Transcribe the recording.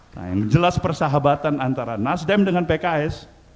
nah yang jelas persahabatan antara nasdem dengan pks